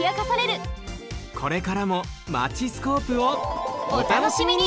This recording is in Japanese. これからも「マチスコープ」をおたのしみに！